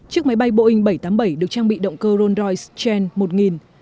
chiếc máy bay boeing bảy trăm tám mươi bảy được trang bị động cơ rolls royce chen một nghìn